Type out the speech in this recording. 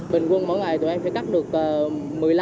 bình quân mỗi ngày tụi em sẽ cắt được một mươi năm hai mươi đào